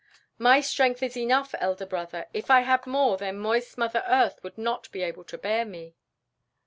"My strength is enough, elder brother; if I had more, then moist Mother Earth would not be able to bear me."